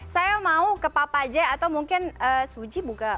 saya mau ke papa j atau mungkin suji buka